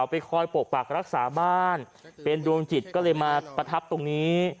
ไปคอยปกปักรักษาบ้านเป็นดวงจิตก็เลยมาประทับตรงนี้